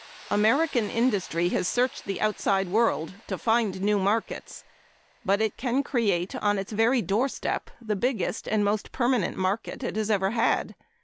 American industry has searched the outside world to find new markets but it can create on its very doorstep the biggest and most permanent market it has ever had.